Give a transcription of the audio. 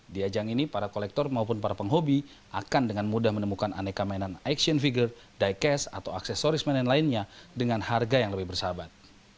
di ajang ini para kolektor maupun para penghobi akan dengan mudah menemukan aneka mainan action figure diecast atau aksesoris mainan lainnya dengan harga yang lebih bersahabat